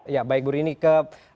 ya baik bu rini ke